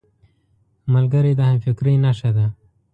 ملګری د همفکرۍ نښه ده